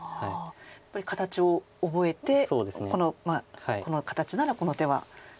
やっぱり形を覚えてこの形ならこの手はっていうふうに。